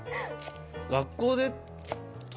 学校で。